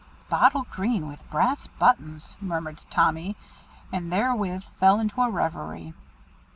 "Bottle green, with brass buttons," murmured Tommy, and therewith fell into a reverie.